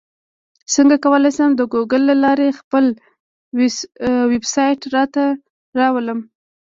څنګه کولی شم د ګوګل له لارې خپل ویبسایټ راته راولم